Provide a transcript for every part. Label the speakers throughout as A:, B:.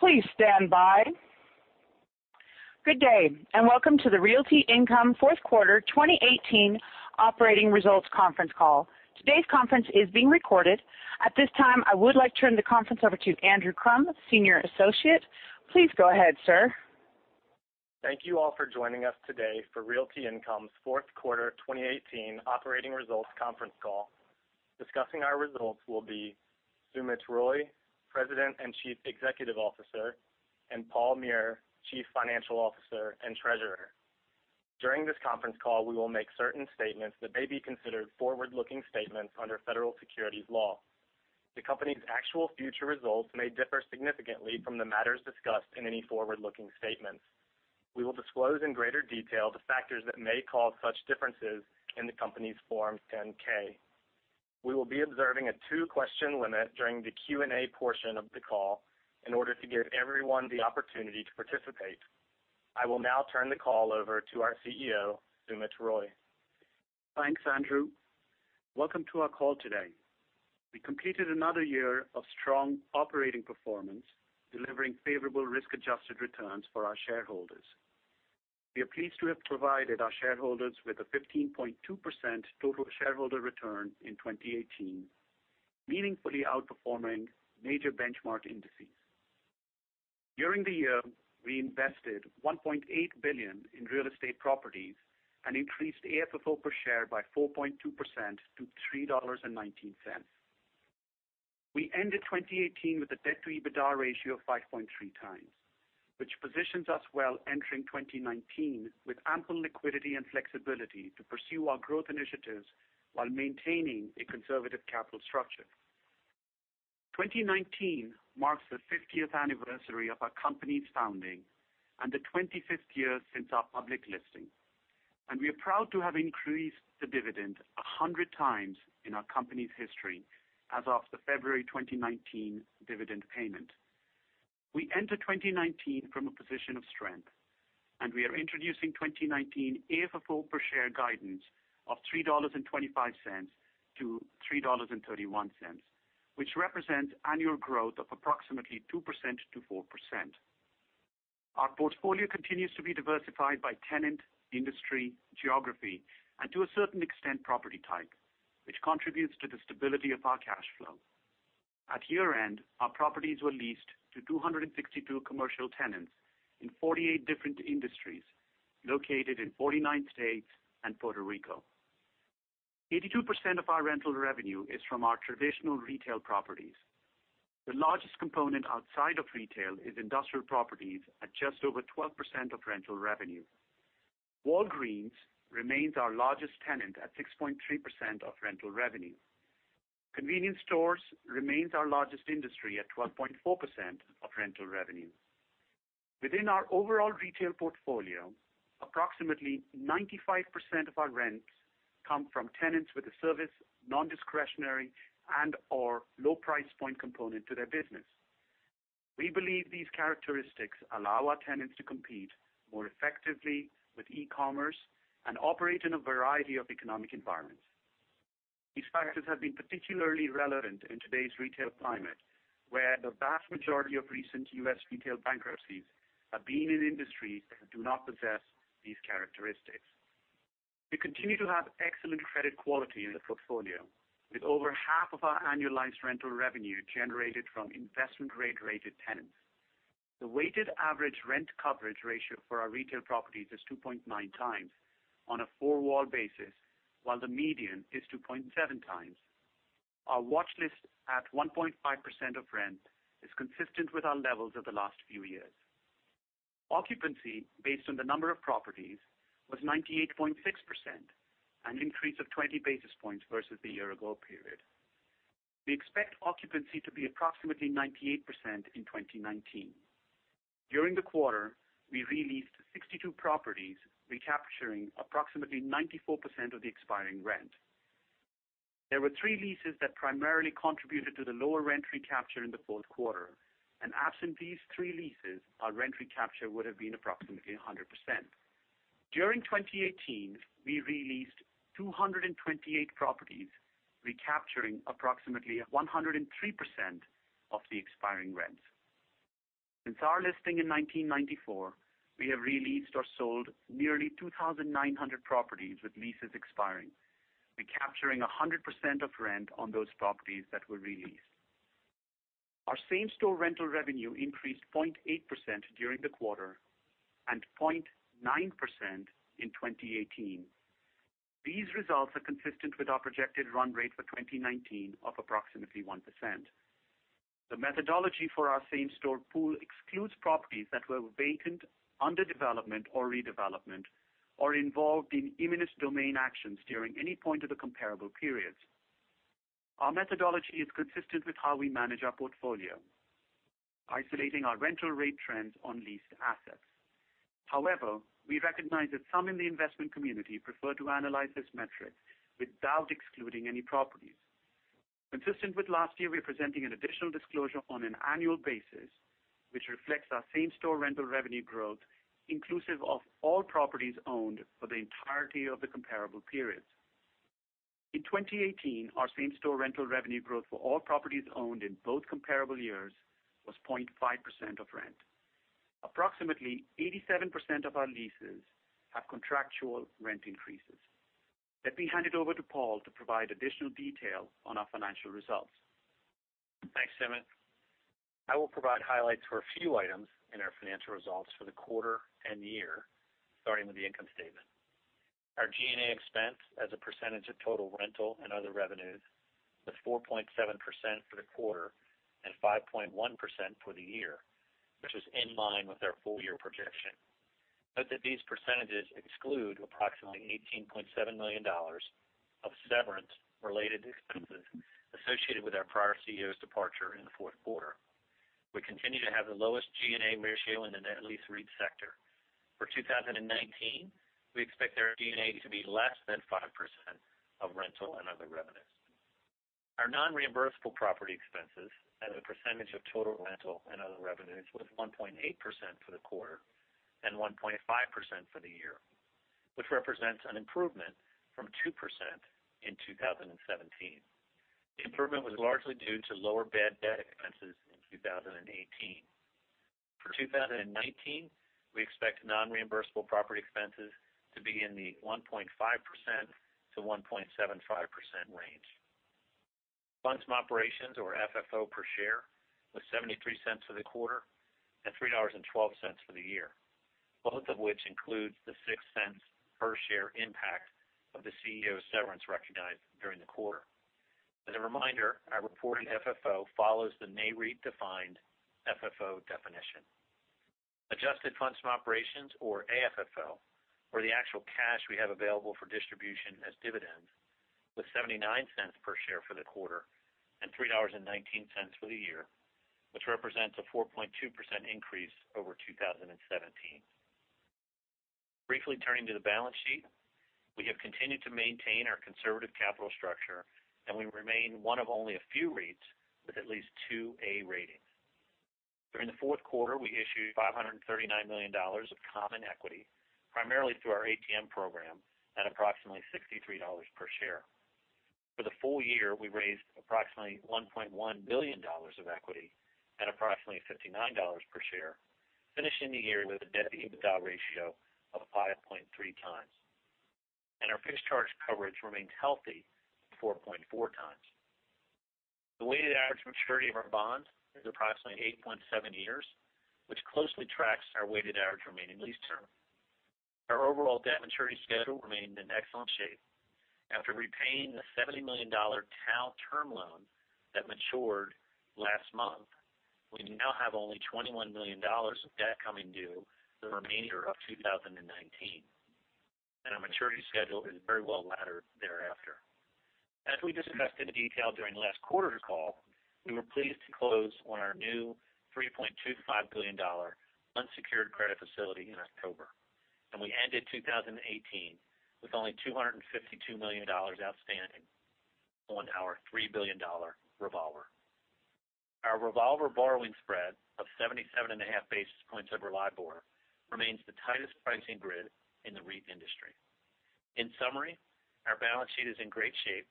A: Good day, and welcome to the Realty Income fourth quarter 2018 operating results conference call. Today's conference is being recorded. At this time, I would like to turn the conference over to Andrew Crum, Senior Associate. Please go ahead, sir.
B: Thank you all for joining us today for Realty Income's fourth quarter 2018 operating results conference call. Discussing our results will be Sumit Roy, President and Chief Executive Officer, and Paul Meurer, Chief Financial Officer and Treasurer. During this conference call, we will make certain statements that may be considered forward-looking statements under federal securities law. The company's actual future results may differ significantly from the matters discussed in any forward-looking statements. We will disclose in greater detail the factors that may cause such differences in the company's Form 10-K. We will be observing a two-question limit during the Q&A portion of the call in order to give everyone the opportunity to participate. I will now turn the call over to our CEO, Sumit Roy.
C: Thanks, Andrew. Welcome to our call today. We completed another year of strong operating performance, delivering favorable risk-adjusted returns for our shareholders. We are pleased to have provided our shareholders with a 15.2% total shareholder return in 2018, meaningfully outperforming major benchmark indices. During the year, we invested $1.8 billion in real estate properties and increased AFFO per share by 4.2% to $3.19. We ended 2018 with a debt-to-EBITDA ratio of 5.3x, which positions us well entering 2019 with ample liquidity and flexibility to pursue our growth initiatives while maintaining a conservative capital structure. 2019 marks the 50th anniversary of our company's founding and the 25th year since our public listing. We are proud to have increased the dividend 100x in our company's history as of the February 2019 dividend payment. We enter 2019 from a position of strength, and we are introducing 2019 AFFO per share guidance of $3.25 to $3.31, which represents annual growth of approximately 2%-4%. Our portfolio continues to be diversified by tenant, industry, geography, and to a certain extent, property type, which contributes to the stability of our cash flow. At year-end, our properties were leased to 262 commercial tenants in 48 different industries located in 49 states and Puerto Rico. 82% of our rental revenue is from our traditional retail properties. The largest component outside of retail is industrial properties at just over 12% of rental revenue. Walgreens remains our largest tenant at 6.3% of rental revenue. Convenience stores remains our largest industry at 12.4% of rental revenue. Within our overall retail portfolio, approximately 95% of our rents come from tenants with a service, non-discretionary, and/or low price point component to their business. We believe these characteristics allow our tenants to compete more effectively with e-commerce and operate in a variety of economic environments. These factors have been particularly relevant in today's retail climate, where the vast majority of recent U.S. retail bankruptcies have been in industries that do not possess these characteristics. We continue to have excellent credit quality in the portfolio, with over half of our annualized rental revenue generated from investment-grade rated tenants. The Weighted Average Rent coverage ratio for our retail properties is 2.9x on a four-wall basis, while the median is 2.7x. Our watch list at 1.5% of rent is consistent with our levels of the last few years. Occupancy based on the number of properties was 98.6%, an increase of 20 basis points versus the year-ago period. We expect occupancy to be approximately 98% in 2019. During the quarter, we re-leased 62 properties, recapturing approximately 94% of the expiring rent. There were three leases that primarily contributed to the lower rent recapture in the fourth quarter, and absent these three leases, our rent recapture would have been approximately 100%. During 2018, we re-leased 228 properties, recapturing approximately 103% of the expiring rents. Since our listing in 1994, we have re-leased or sold nearly 2,900 properties with leases expiring, recapturing 100% of rent on those properties that were re-leased. Our same-store rental revenue increased 0.8% during the quarter and 0.9% in 2018. These results are consistent with our projected run rate for 2019 of approximately 1%. The methodology for our same-store pool excludes properties that were vacant, under development or redevelopment, or involved in eminent domain actions during any point of the comparable periods. Our methodology is consistent with how we manage our portfolio, isolating our rental rate trends on leased assets. However, we recognize that some in the investment community prefer to analyze this metric without excluding any properties. Consistent with last year, we're presenting an additional disclosure on an annual basis, which reflects our same-store rental revenue growth inclusive of all properties owned for the entirety of the comparable periods. In 2018, our same-store rental revenue growth for all properties owned in both comparable years was 0.5% of rent. Approximately 87% of our leases have contractual rent increases. Let me hand it over to Paul to provide additional detail on our financial results.
D: Thanks, Sumit. I will provide highlights for a few items in our financial results for the quarter and the year, starting with the income statement. Our G&A expense as a percentage of total rental and other revenues was 4.7% for the quarter and 5.1% for the year, which is in line with our full year projection. Note that these percentages exclude approximately $18.7 million of severance-related expenses associated with our prior CEO's departure in the fourth quarter. We continue to have the lowest G&A ratio in the net lease REIT sector. For 2019, we expect our G&A to be less than 5% of rental and other revenues. Our non-reimbursable property expenses as a percentage of total rental and other revenues was 1.8% for the quarter and 1.5% for the year, which represents an improvement from 2% in 2017. The improvement was largely due to lower bad debt expenses in 2018. For 2019, we expect non-reimbursable property expenses to be in the 1.5%-1.75% range. Funds from operations or FFO per share was $0.73 for the quarter and $3.12 for the year, both of which includes the $0.06 per share impact of the CEO's severance recognized during the quarter. As a reminder, our reported FFO follows the Nareit-defined FFO definition. Adjusted funds from operations, or AFFO, or the actual cash we have available for distribution as dividends, was $0.79 per share for the quarter and $3.19 for the year, which represents a 4.2% increase over 2017. Briefly turning to the balance sheet. We have continued to maintain our conservative capital structure, and we remain one of only a few REITs with at least two A ratings. During the fourth quarter, we issued $539 million of common equity, primarily through our ATM program at approximately $63 per share. For the full year, we raised approximately $1.1 billion of equity at approximately $59 per share, finishing the year with a debt-to-EBITDA ratio of 5.3x. Our fixed charge coverage remains healthy at 4.4x. The weighted average maturity of our bonds is approximately 8.7 years, which closely tracks our weighted average remaining lease term. Our overall debt maturity schedule remained in excellent shape. After repaying the $70 million count term loan that matured last month, we now have only $21 million of debt coming due the remainder of 2019, and our maturity schedule is very well laddered thereafter. As we discussed in detail during last quarter's call, we were pleased to close on our new $3.25 billion unsecured credit facility in October, and we ended 2018 with only $252 million outstanding on our $3 billion revolver. Our revolver borrowing spread of 77.5 basis points over LIBOR remains the tightest pricing grid in the REIT industry. In summary, our balance sheet is in great shape,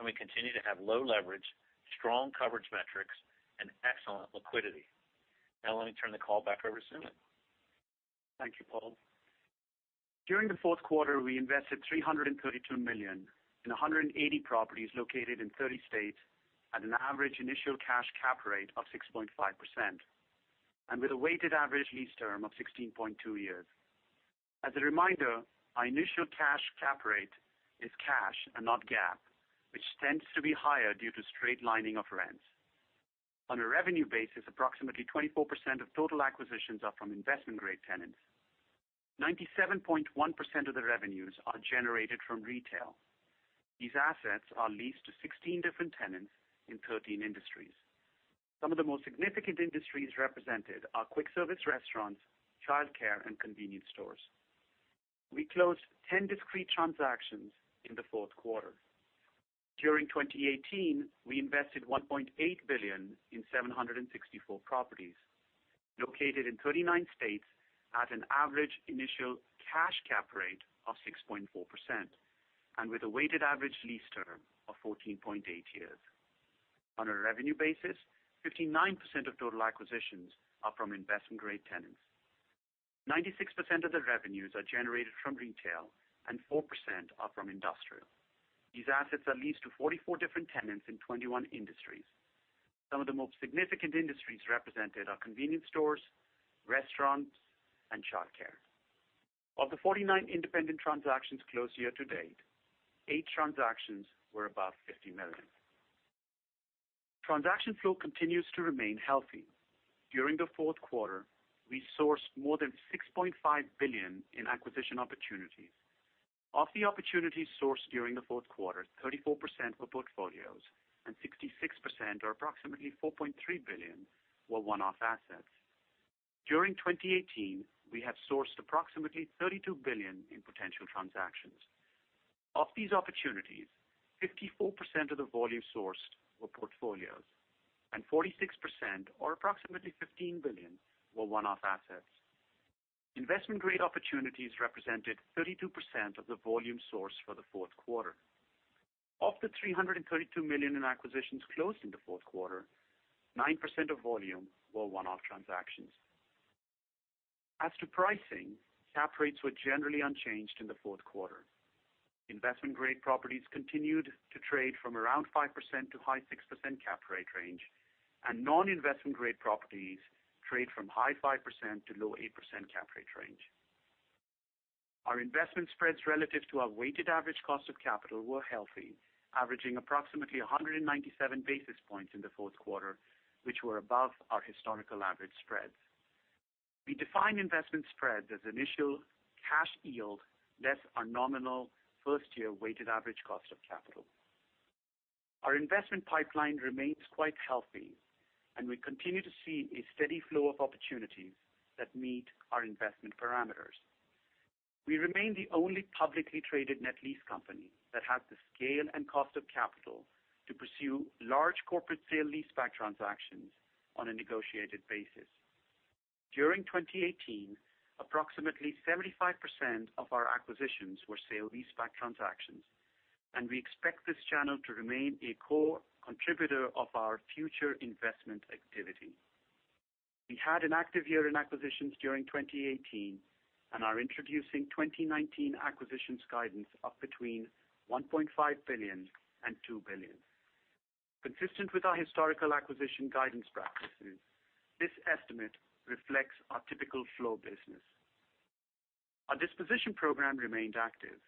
D: and we continue to have low leverage, strong coverage metrics, and excellent liquidity. Let me turn the call back over to Sumit.
C: Thank you, Paul. During the fourth quarter, we invested $332 million in 180 properties located in 30 states at an average initial cash cap rate of 6.5% and with a weighted average lease term of 16.2 years. As a reminder, our initial cash cap rate is cash and not GAAP, which tends to be higher due to straight lining of rents. On a revenue basis, approximately 24% of total acquisitions are from investment-grade tenants. 97.1% of the revenues are generated from retail. These assets are leased to 16 different tenants in 13 industries. Some of the most significant industries represented are quick service restaurants, childcare, and convenience stores. We closed 10 discrete transactions in the fourth quarter. During 2018, we invested $1.8 billion in 764 properties located in 29 states at an average initial cash cap rate of 6.4% and with a weighted average lease term of 14.8 years. On a revenue basis, 59% of total acquisitions are from investment-grade tenants. 96% of the revenues are generated from retail and 4% are from industrial. These assets are leased to 44 different tenants in 21 industries. Some of the most significant industries represented are convenience stores, restaurants, and childcare. Of the 49 independent transactions closed year-to-date, eight transactions were above $50 million. Transaction flow continues to remain healthy. During the fourth quarter, we sourced more than $6.5 billion in acquisition opportunities. Of the opportunities sourced during the fourth quarter, 34% were portfolios and 66% or approximately $4.3 billion were one-off assets. During 2018, we have sourced approximately $32 billion in potential transactions. Of these opportunities, 54% of the volume sourced were portfolios and 46% or approximately $15 billion were one-off assets. Investment-grade opportunities represented 32% of the volume source for the fourth quarter. Of the $332 million in acquisitions closed in the fourth quarter, 9% of volume were one-off transactions. As to pricing, cap rates were generally unchanged in the fourth quarter. Investment-grade properties continued to trade from around 5% to high 6% cap rate range, and non-investment grade properties trade from high 5% to low 8% cap rate range. Our investment spreads relative to our weighted average cost of capital were healthy, averaging approximately 197 basis points in the fourth quarter, which were above our historical average spreads. We define investment spread as initial cash yield less our nominal first year weighted average cost of capital. Our investment pipeline remains quite healthy, and we continue to see a steady flow of opportunities that meet our investment parameters. We remain the only publicly traded net lease company that has the scale and cost of capital to pursue large corporate sale-leaseback transactions on a negotiated basis. During 2018, approximately 75% of our acquisitions were sale-leaseback transactions, and we expect this channel to remain a core contributor of our future investment activity. We had an active year in acquisitions during 2018 and are introducing 2019 acquisitions guidance of between $1.5 billion and $2 billion. Consistent with our historical acquisition guidance practices, this estimate reflects our typical flow business. Our disposition program remained active.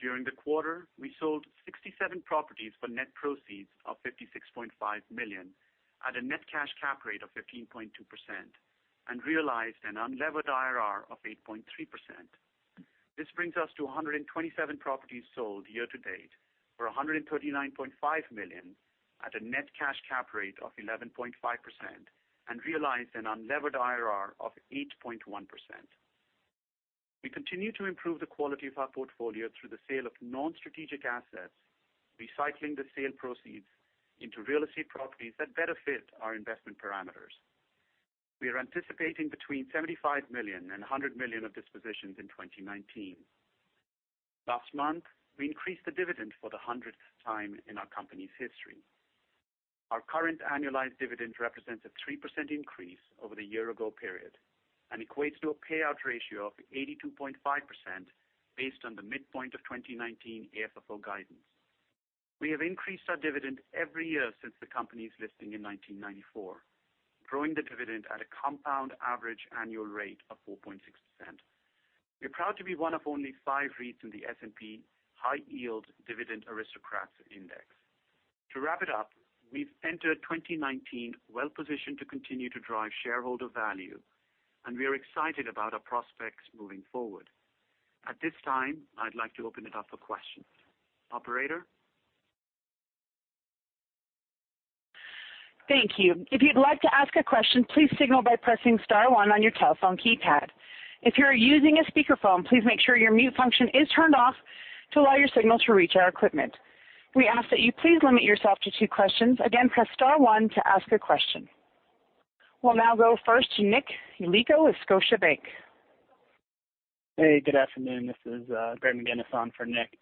C: During the quarter, we sold 67 properties for net proceeds of $56.5 million at a net cash cap rate of 15.2% and realized an unlevered IRR of 8.3%. This brings us to 127 properties sold year-to-date for $139.5 million at a net cash cap rate of 11.5% and realized an unlevered IRR of 8.1%. We continue to improve the quality of our portfolio through the sale of non-strategic assets, recycling the sale proceeds into real estate properties that better fit our investment parameters. We are anticipating between $75 million and $100 million of dispositions in 2019. Last month, we increased the dividend for the 100th time in our company's history. Our current annualized dividend represents a 3% increase over the year ago period and equates to a payout ratio of 82.5% based on the midpoint of 2019 AFFO guidance. We have increased our dividend every year since the company's listing in 1994, growing the dividend at a compound average annual rate of 4.6%. We're proud to be one of only five REITs in the S&P High Yield Dividend Aristocrats Index. To wrap it up, we've entered 2019 well positioned to continue to drive shareholder value. We are excited about our prospects moving forward. At this time, I'd like to open it up for questions. Operator?
A: Thank you. If you'd like to ask a question, please signal by pressing star one on your telephone keypad. If you are using a speakerphone, please make sure your mute function is turned off to allow your signal to reach our equipment. We ask that you please limit yourself to two questions. Again, press star one to ask a question. We'll now go first to Nick Yulico with Scotiabank.
E: Hey, good afternoon. This is Greg McGinniss on for Nick.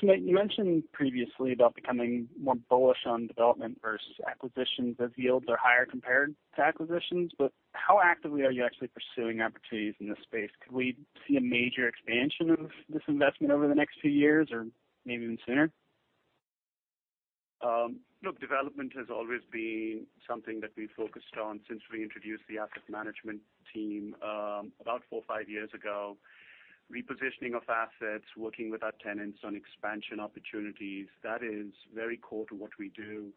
E: Sumit, you mentioned previously about becoming more bullish on development versus acquisitions as yields are higher compared to acquisitions. How actively are you actually pursuing opportunities in this space? Could we see a major expansion of this investment over the next few years or maybe even sooner?
C: Look, development has always been something that we focused on since we introduced the asset management team, about four or five years ago. Repositioning of assets, working with our tenants on expansion opportunities, that is very core to what we do.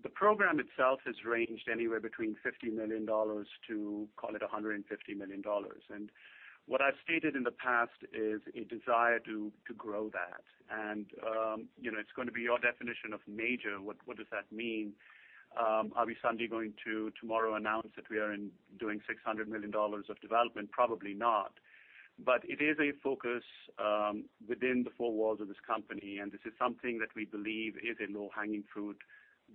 C: The program itself has ranged anywhere between $50 million to call it $150 million. What I've stated in the past is a desire to grow that. You know, it's gonna be your definition of major. What, what does that mean? Are we suddenly going to tomorrow announce that we are doing $600 million of development? Probably not. It is a focus, within the four walls of this company, and this is something that we believe is a low-hanging fruit,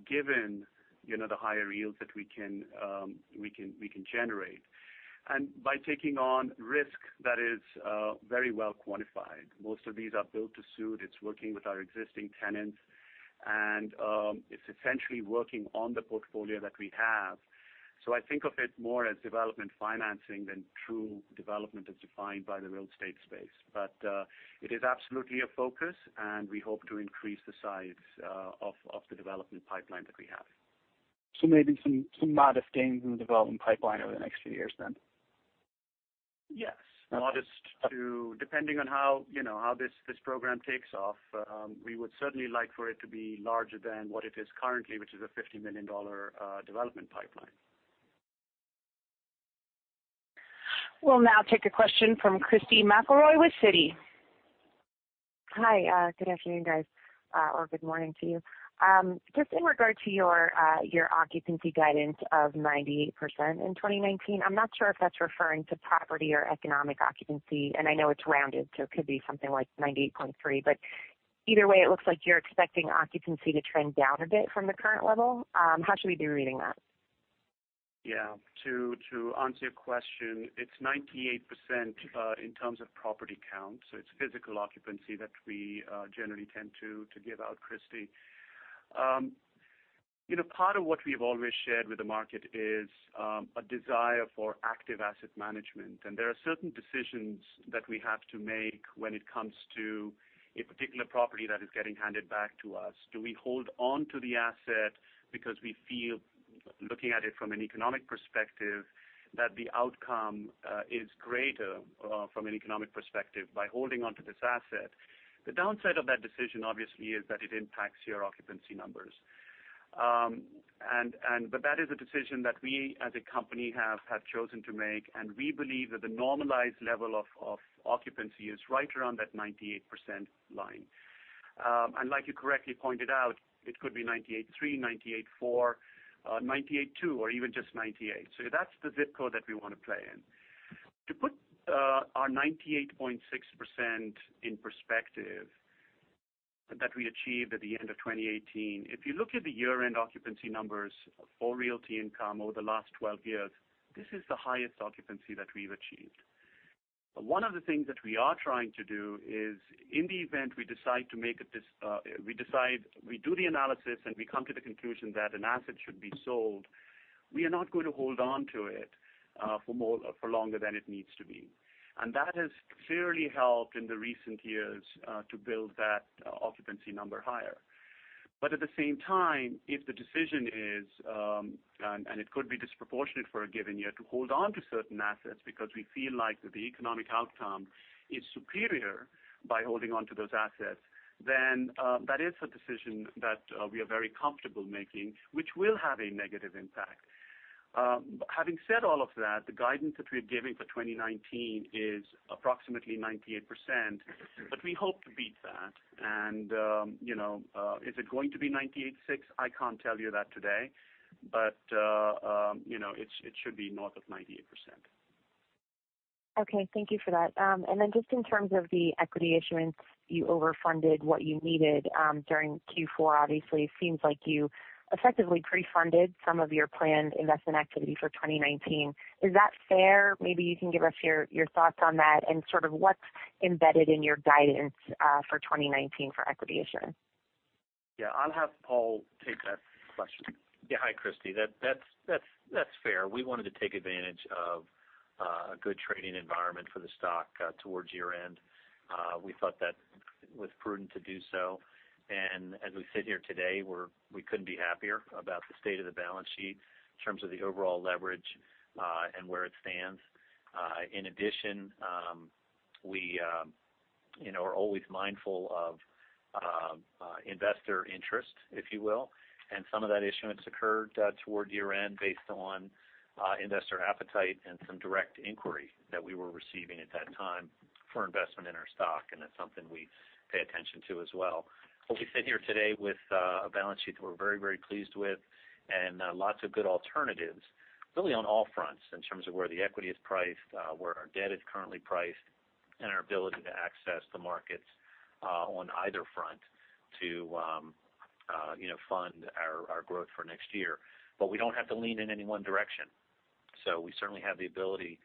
C: given, you know, the higher yields that we can generate. By taking on risk that is very well quantified. Most of these are build-to-suit. It's working with our existing tenants. It's essentially working on the portfolio that we have. I think of it more as development financing than true development as defined by the real estate space. It is absolutely a focus, and we hope to increase the size of the development pipeline that we have.
E: Maybe some modest gains in the development pipeline over the next few years then?
C: Yes. Modest to depending on how, you know, how this program takes off, we would certainly like for it to be larger than what it is currently, which is a $50 million development pipeline.
A: We'll now take a question from Christy McElroy with Citi.
F: Hi. Good afternoon, guys, or good morning to you. Just in regard to your occupancy guidance of 98% in 2019, I'm not sure if that's referring to property or economic occupancy. I know it's rounded, so it could be something like 98.3%. Either way, it looks like you're expecting occupancy to trend down a bit from the current level. How should we be reading that?
C: To answer your question, it's 98% in terms of property count. It's physical occupancy that we generally tend to give out, Christy. You know, part of what we have always shared with the market is a desire for active asset management, and there are certain decisions that we have to make when it comes to a particular property that is getting handed back to us. Do we hold on to the asset because we feel, looking at it from an economic perspective, that the outcome is greater from an economic perspective by holding onto this asset? The downside of that decision, obviously, is that it impacts your occupancy numbers. But that is a decision that we as a company have chosen to make, and we believe that the normalized level of occupancy is right around that 98% line. Like you correctly pointed out, it could be 98.3%, 98.4%, 98.2%, or even just 98%. That's the zip code that we want to play in. To put our 98.6% in perspective that we achieved at the end of 2018, if you look at the year-end occupancy numbers for Realty Income over the last 12 years, this is the highest occupancy that we've achieved. One of the things that we are trying to do is in the event we decide to make we do the analysis and we come to the conclusion that an asset should be sold, we are not going to hold on to it, for more, for longer than it needs to be. That has clearly helped in the recent years, to build that occupancy number higher. At the same time, if the decision is, and it could be disproportionate for a given year to hold on to certain assets because we feel like the economic outcome is superior by holding on to those assets, then, that is a decision that we are very comfortable making, which will have a negative impact. Having said all of that, the guidance that we're giving for 2019 is approximately 98%, but we hope to beat that. You know, is it going to be 98.6%? I can't tell you that today. You know, it's, it should be north of 98%.
F: Okay. Thank you for that. Just in terms of the equity issuance, you overfunded what you needed during Q4. Obviously, it seems like you effectively pre-funded some of your planned investment activity for 2019. Is that fair? Maybe you can give us your thoughts on that and sort of what's embedded in your guidance for 2019 for equity issuance.
C: Yeah. I'll have Paul take that question.
D: Yeah. Hi, Christy. That's fair. We wanted to take advantage of a good trading environment for the stock towards year-end. We thought that was prudent to do so. As we sit here today, we couldn't be happier about the state of the balance sheet in terms of the overall leverage and where it stands. In addition, we, you know, are always mindful of investor interest, if you will. Some of that issuance occurred toward year-end based on investor appetite and some direct inquiry that we were receiving at that time for investment in our stock, and that's something we pay attention to as well. We sit here today with a balance sheet that we're very, very pleased with and lots of good alternatives really on all fronts in terms of where the equity is priced, where our debt is currently priced, and our ability to access the markets on either front to fund our growth for next year. We don't have to lean in any one direction. We certainly have the ability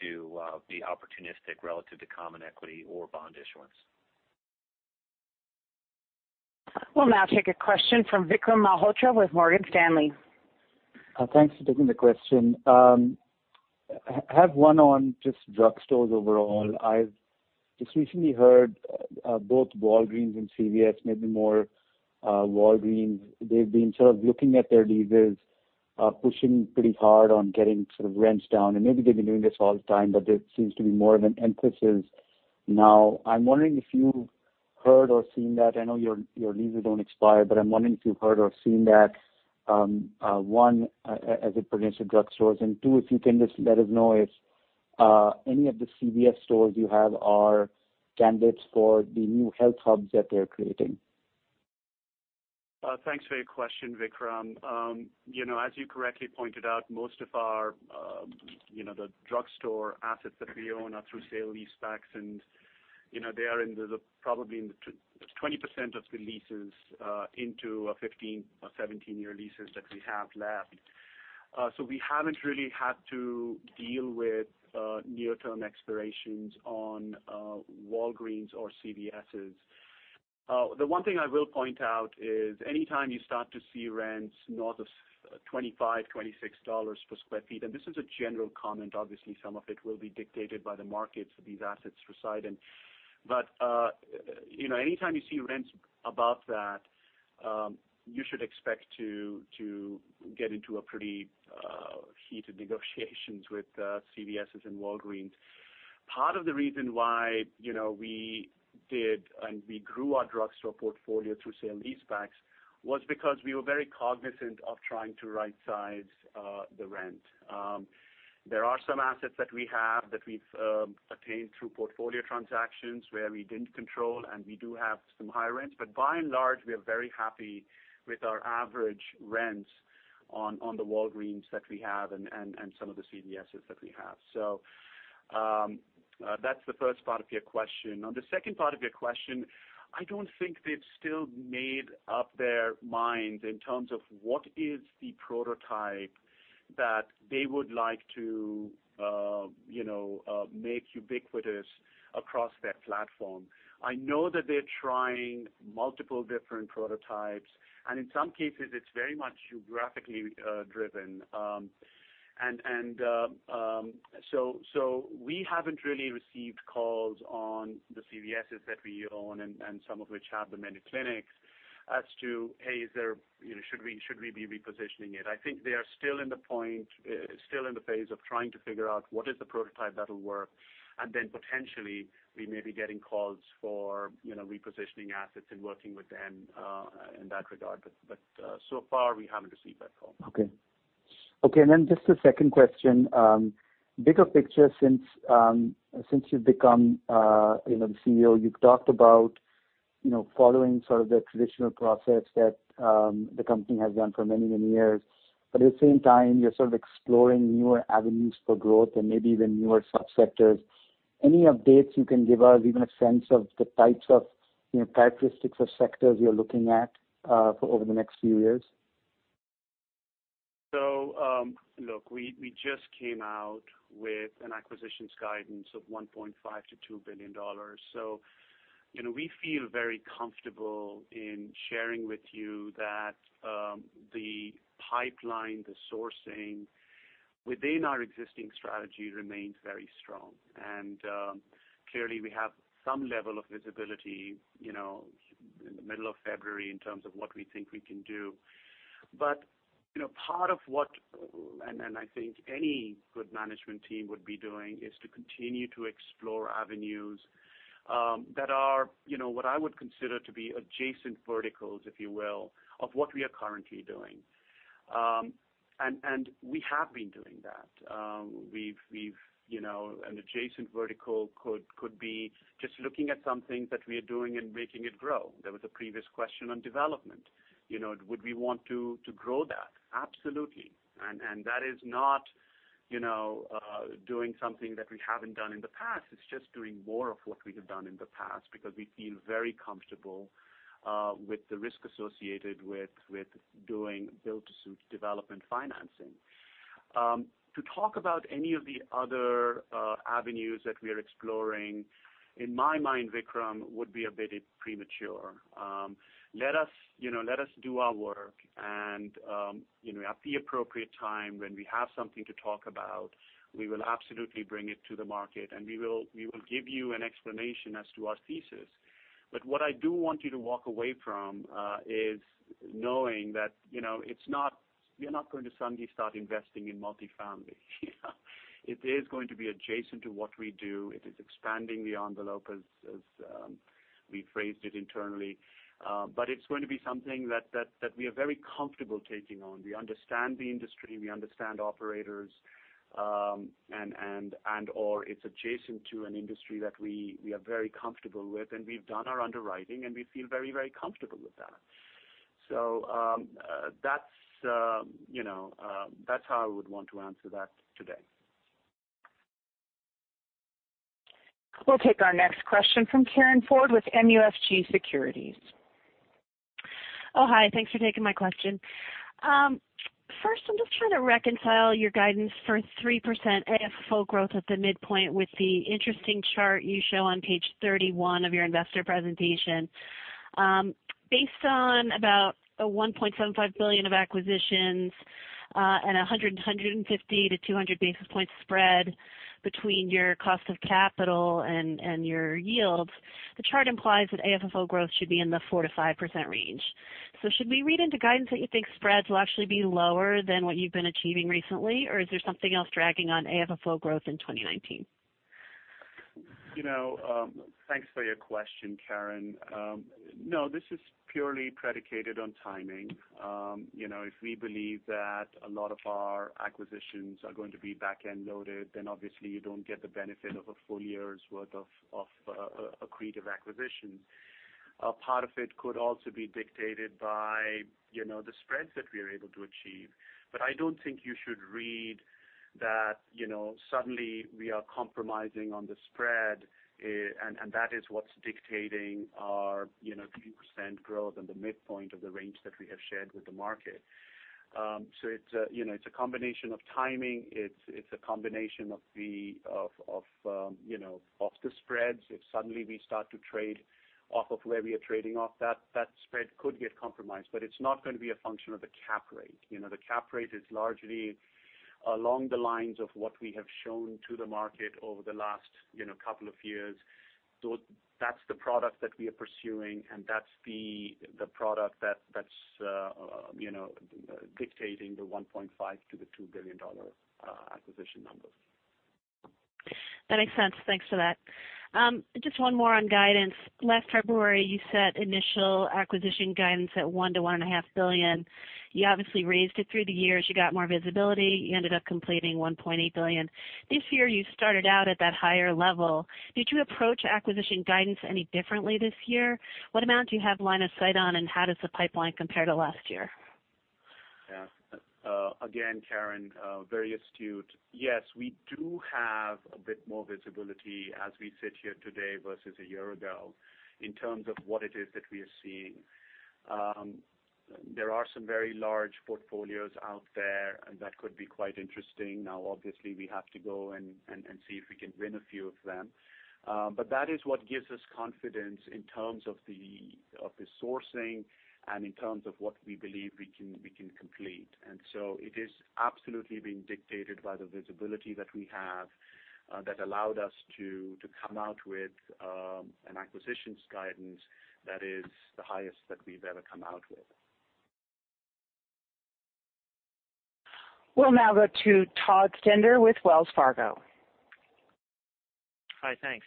D: to be opportunistic relative to common equity or bond issuance.
A: We'll now take a question from Vikram Malhotra with Morgan Stanley.
G: Thanks for taking the question. I have one on just drugstores overall. I've just recently heard both Walgreens and CVS, maybe more Walgreens. They've been sort of looking at their leases, pushing pretty hard on getting sort of rents down. Maybe they've been doing this all the time, but there seems to be more of an emphasis now. I'm wondering if you've heard or seen that. I know your leases don't expire, but I'm wondering if you've heard or seen that, one, as it pertains to drugstores. Two, if you can just let us know if any of the CVS stores you have are candidates for the new health hubs that they're creating.
C: Thanks for your question, Vikram. As you correctly pointed out, most of our drugstore assets that we own are through sale-leasebacks. They are in the, probably in the 20% of the leases, into a 15-year or 17-year leases that we have left. So we haven't really had to deal with near-term expirations on Walgreens or CVS. The one thing I will point out is anytime you start to see rents north of $25, $26 per sq ft, and this is a general comment, obviously, some of it will be dictated by the markets these assets reside in. Anytime you see rents above that, you should expect to get into a pretty heated negotiations with CVS and Walgreens. Part of the reason why, you know, we did and we grew our drugstore portfolio through sale-leasebacks was because we were very cognizant of trying to rightsize the rent. There are some assets that we have that we've obtained through portfolio transactions where we didn't control, and we do have some high rents. By and large, we are very happy with our average rents on the Walgreens that we have and some of the CVS' that we have. That's the first part of your question. On the second part of your question, I don't think they've still made up their minds in terms of what is the prototype that they would like to, you know, make ubiquitous across their platform. I know that they're trying multiple different prototypes, and in some cases it's very much geographically driven. So we haven't really received calls on the CVS' that we own and some of which have the MinuteClinic as to, hey, you know, should we be repositioning it? I think they are still in the point, still in the phase of trying to figure out what is the prototype that'll work, and then potentially we may be getting calls for, you know, repositioning assets and working with them in that regard. So far we haven't received that call.
G: Okay. Okay, just a second question. Bigger picture since you've become, you know, the CEO, you've talked about, you know, following sort of the traditional process that the company has done for many, many years. At the same time, you're sort of exploring newer avenues for growth and maybe even newer subsectors. Any updates you can give us, even a sense of the types of, you know, characteristics of sectors you're looking at for over the next few years?
C: Look, we just came out with an acquisitions guidance of $1.5 billion-$2 billion. You know, we feel very comfortable in sharing with you that the pipeline, the sourcing within our existing strategy remains very strong. Clearly we have some level of visibility, you know, in the middle of February in terms of what we think we can do. You know, part of what, and I think any good management team would be doing is to continue to explore avenues that are, you know, what I would consider to be adjacent verticals, if you will, of what we are currently doing. We have been doing that. We've, you know, an adjacent vertical could be just looking at something that we are doing and making it grow. There was a previous question on development. You know, would we want to grow that? Absolutely. That is not, you know, doing something that we haven't done in the past. It's just doing more of what we have done in the past because we feel very comfortable with the risk associated with doing build-to-suit development financing. To talk about any of the other avenues that we are exploring, in my mind, Vikram, would be a bit premature. Let us, you know, let us do our work. At the appropriate time when we have something to talk about, we will absolutely bring it to the market, and we will give you an explanation as to our thesis. What I do want you to walk away from, is knowing that, you know, it's not, we are not going to suddenly start investing in multifamily. It is going to be adjacent to what we do. It is expanding the envelope as we phrased it internally. It's going to be something that we are very comfortable taking on. We understand the industry, we understand operators, and/or it's adjacent to an industry that we are very comfortable with, and we've done our underwriting, and we feel very comfortable with that. That's, you know, that's how I would want to answer that today.
A: We'll take our next question from Karin Ford with MUFG Securities.
H: Hi. Thanks for taking my question. First, I'm just trying to reconcile your guidance for 3% AFFO growth at the midpoint with the interesting chart you show on page 31 of your investor presentation. Based on about $1.75 billion of acquisitions, and 150 basis points-200 basis points spread between your cost of capital and your yields, the chart implies that AFFO growth should be in the 4%-5% range. Should we read into guidance that you think spreads will actually be lower than what you've been achieving recently, or is there something else dragging on AFFO growth in 2019?
C: You know, thanks for your question, Karin. No, this is purely predicated on timing. You know, if we believe that a lot of our acquisitions are going to be back-end loaded, then obviously you don't get the benefit of a full year's worth of accretive acquisitions. A part of it could also be dictated by, you know, the spreads that we are able to achieve. I don't think you should read that, you know, suddenly we are compromising on the spread and that is what's dictating our, you know, 3% growth and the midpoint of the range that we have shared with the market. It's, you know, it's a combination of timing. It's a combination of, you know, of the spreads. If suddenly we start to trade off of where we are trading off that spread could get compromised, but it's not going to be a function of the cap rate. You know, the cap rate is largely along the lines of what we have shown to the market over the last, you know, couple of years. That's the product that we are pursuing, and that's the product that's, you know, dictating the $1.5 billion-$2 billion acquisition numbers.
H: That makes sense. Thanks for that. Just one more on guidance. Last February, you set initial acquisition guidance at $1 billion-$1.5 billion. You obviously raised it through the years. You got more visibility. You ended up completing $1.8 billion. This year, you started out at that higher level. Did you approach acquisition guidance any differently this year? What amount do you have line of sight on, and how does the pipeline compare to last year?
C: Again, Karin, very astute. Yes, we do have a bit more visibility as we sit here today versus a year ago in terms of what it is that we are seeing. There are some very large portfolios out there, and that could be quite interesting. Now, obviously, we have to go and see if we can win a few of them. That is what gives us confidence in terms of the sourcing and in terms of what we believe we can complete. It is absolutely being dictated by the visibility that we have that allowed us to come out with an acquisitions guidance that is the highest that we've ever come out with.
A: We'll now go to Todd Stender with Wells Fargo.
I: Hi, thanks.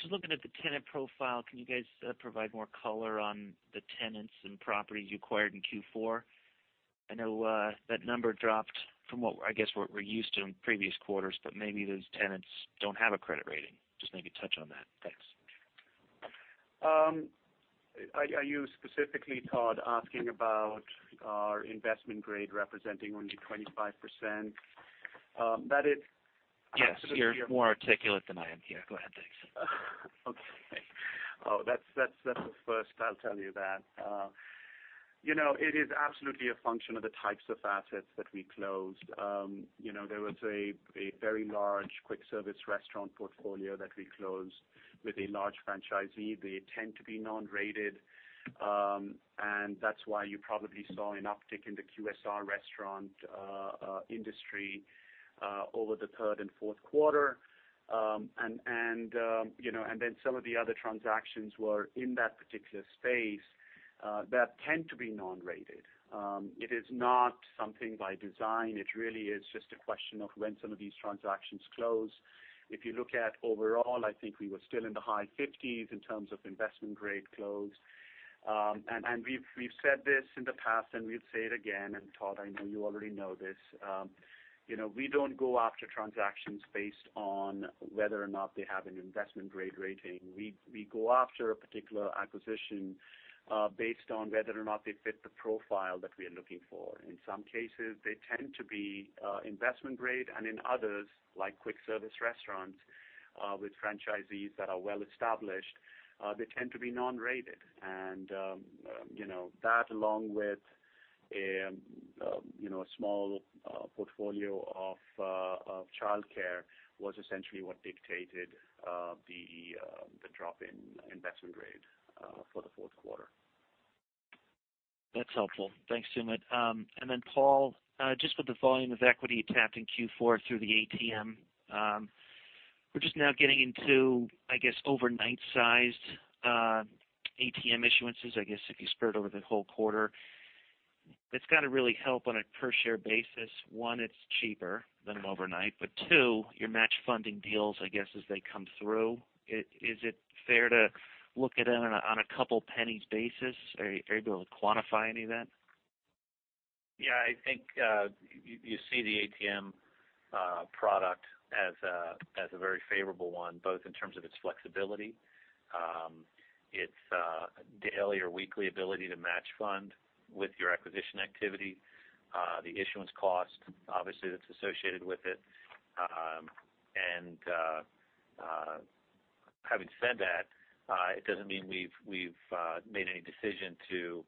I: Just looking at the tenant profile, can you guys provide more color on the tenants and properties you acquired in Q4? I know that number dropped from what I guess we're used to in previous quarters, but maybe those tenants don't have a credit rating. Just maybe touch on that. Thanks.
C: Are you specifically, Todd, asking about our investment grade representing only 25%?
I: Yes, you're more articulate than I am here. Go ahead, thanks.
C: Okay, that's a first, I'll tell you that. You know, it is absolutely a function of the types of assets that we closed. You know, there was a very large quick service restaurant portfolio that we closed with a large franchisee. They tend to be non-rated, and that's why you probably saw an uptick in the QSR restaurant industry over the third and fourth quarter. You know, then some of the other transactions were in that particular space that tend to be non-rated. It is not something by design. It really is just a question of when some of these transactions close. If you look at overall, I think we were still in the high 50% in terms of investment-grade closed. We've said this in the past, and we'll say it again, and Todd, I know you already know this. You know, we don't go after transactions based on whether or not they have an investment-grade rating. We go after a particular acquisition based on whether or not they fit the profile that we are looking for. In some cases, they tend to be investment-grade, and in others, like quick service restaurants, with franchisees that are well established, they tend to be non-rated. That along with, you know, a small portfolio of childcare was essentially what dictated the drop in investment-grade for the fourth quarter.
I: That's helpful. Thanks, Sumit. Then Paul, just with the volume of equity tapped in Q4 through the ATM, we're just now getting into, I guess, overnight sized, ATM issuances, I guess, if you spread over the whole quarter. It's gotta really help on a per share basis. One, it's cheaper than overnight, but two, your match funding deals, I guess, as they come through, is it fair to look at it on a couple pennies basis? Are you able to quantify any of that?
D: Yeah. I think you see the ATM product as a very favorable one, both in terms of its flexibility, its daily or weekly ability to match fund with your acquisition activity, the issuance cost, obviously, that's associated with it. Having said that, it doesn't mean we've made any decision to,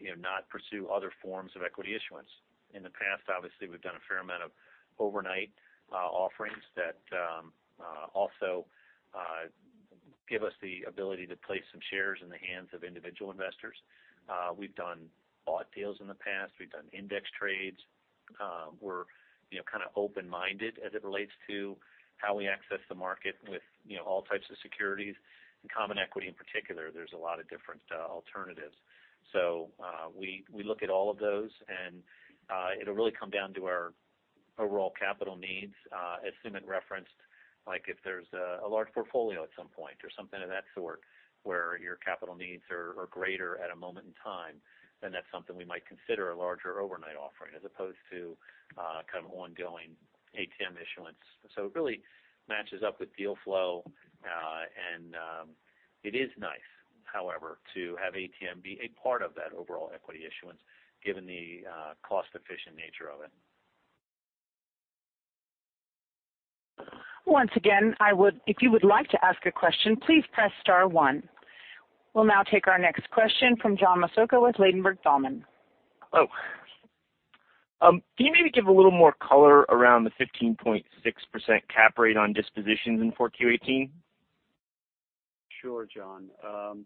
D: you know, not pursue other forms of equity issuance. In the past, obviously, we've done a fair amount of overnight offerings that also give us the ability to place some shares in the hands of individual investors. We've done bought deals in the past. We've done index trades. We're, you know, kind of open-minded as it relates to how we access the market with, you know, all types of securities. In common equity, in particular, there's a lot of different alternatives. We look at all of those, and it'll really come down to our overall capital needs. As Sumit referenced, like if there's a large portfolio at some point or something of that sort where your capital needs are greater at a moment in time, then that's something we might consider a larger overnight offering as opposed to kind of ongoing ATM issuance. It really matches up with deal flow. And it is nice, however, to have ATM be a part of that overall equity issuance given the cost-efficient nature of it.
A: Once again, if you would like to ask a question, please press star one. We'll now take our next question from John Massocca with Ladenburg Thalmann.
J: Hello. Can you maybe give a little more color around the 15.6% cap rate on dispositions in 4Q 2018?
C: John.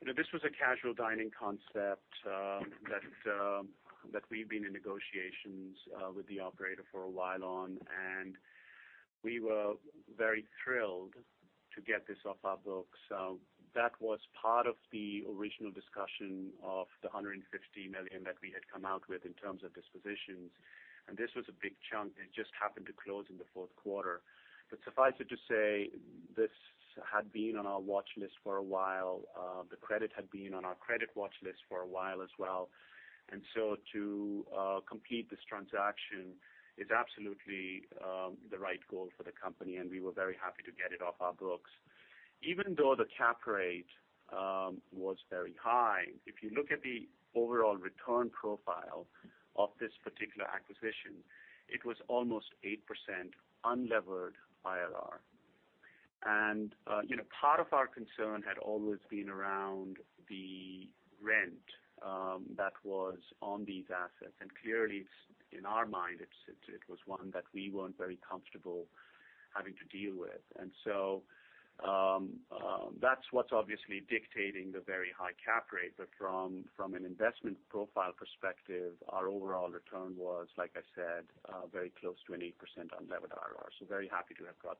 C: You know, this was a casual dining concept that we've been in negotiations with the operator for a while on. We were very thrilled to get this off our books. That was part of the original discussion of the $150 million that we had come out with in terms of dispositions. This was a big chunk. It just happened to close in the fourth quarter. Suffice it to say, this had been on our watch list for a while. The credit had been on our credit watch list for a while as well. To complete this transaction is absolutely the right goal for the company, and we were very happy to get it off our books. Even though the cap rate was very high, if you look at the overall return profile of this particular acquisition, it was almost 8% unlevered IRR. You know, part of our concern had always been around the rent that was on these assets. Clearly, in our mind, it was one that we weren't very comfortable having to deal with. That's what's obviously dictating the very high cap rate. From an investment profile perspective, our overall return was, like I said, very close to an 8% unlevered IRR. Very happy to have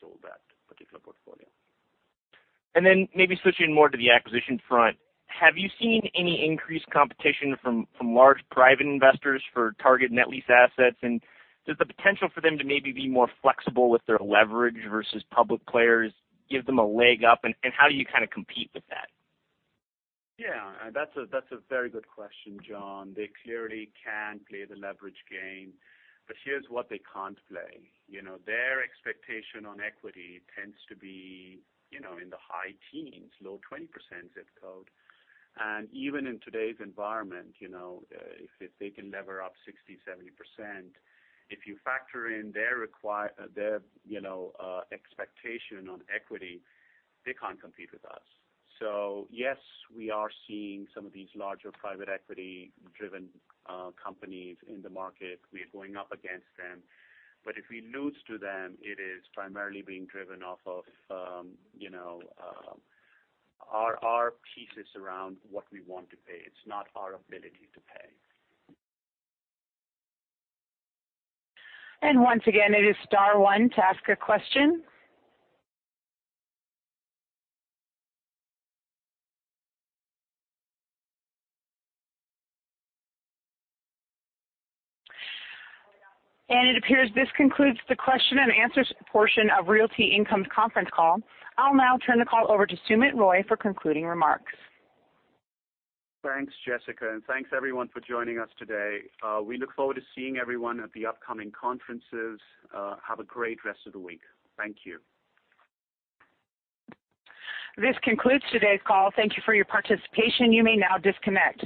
C: sold that particular portfolio.
J: Then maybe switching more to the acquisition front? Have you seen any increased competition from large private investors for target net lease assets? Does the potential for them to maybe be more flexible with their leverage versus public players give them a leg up? How do you kinda compete with that?
C: Yeah, that's a very good question, John. They clearly can play the leverage game. Here's what they can't play. You know, their expectation on equity tends to be, you know, in the high teens, low 20% zip code. Even in today's environment, you know, if they can lever up 60%, 70%, if you factor in their expectation on equity, they can't compete with us. Yes, we are seeing some of these larger private equity-driven companies in the market. We are going up against them. If we lose to them, it is primarily being driven off of, you know, our pieces around what we want to pay. It's not our ability to pay.
A: Once again, it is star one to ask a question. It appears this concludes the question and answer portion of Realty Income's conference call. I'll now turn the call over to Sumit Roy for concluding remarks.
C: Thanks, Jessica, and thanks everyone for joining us today. We look forward to seeing everyone at the upcoming conferences. Have a great rest of the week. Thank you.
A: This concludes today's call. Thank you for your participation. You may now disconnect.